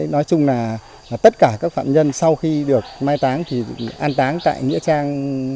nói chung là tất cả các phạm nhân sau khi được mai táng thì an táng tại nghĩa trang